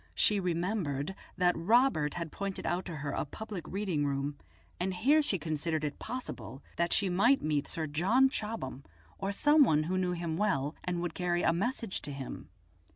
She remembered that Robert had pointed out to her a public reading room, and here she considered it possible that she might meet Sir John Chobham, or some one who knew him well and would carry a message to him.